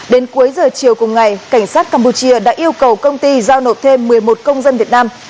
đến cuối giờ chiều cùng ngày cảnh sát campuchia đã yêu cầu công ty giao nộp thêm một mươi một công dân việt nam